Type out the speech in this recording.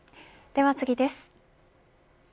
では次です。